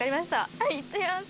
はいいっちゃいます。